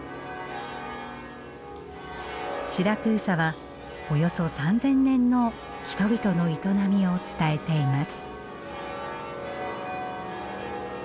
シラクーサはおよそ３，０００年の人々の営みを伝えています。